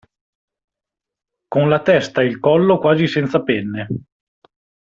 Con la testa e il collo quasi senza penne.